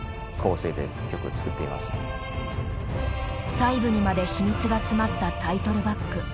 細部にまで秘密が詰まったタイトルバック。